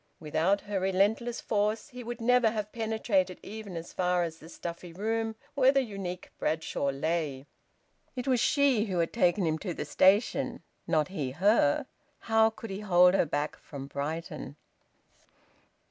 Without her relentless force, he would never have penetrated even as far as the stuffy room where the unique Bradshaw lay. It was she who had taken him to the station, not he her. How could he hold her back from Brighton?